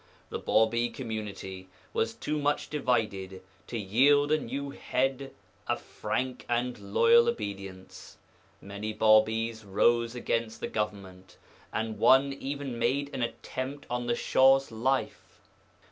The Bābī community was too much divided to yield a new Head a frank and loyal obedience. Many Bābīs rose against the government, and one even made an attempt on the Shah's life.